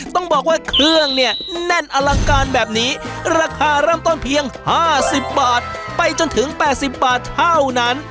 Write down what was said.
ต้องบอกว่าเครื่องเนี่ยแน่นอลังการแบบนี้ราคาเริ่มต้นเพียง๕๐บาทไปจนถึง๘๐บาทเท่านั้น